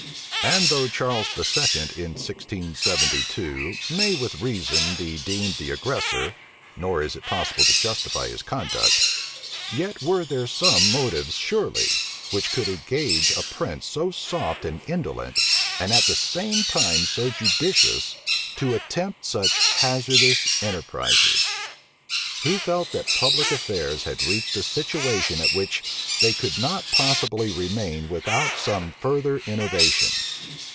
And though Charles II., in 1672, may with reason be deemed the aggressor, nor is it possible to justify his conduct, yet were there some motives, surely, which could engage a prince so soft and indolent, and at the same time so judicious, to attempt such hazardous enterprises. He felt that public affairs had reached a situation at which they could not possibly remain without some further innovation.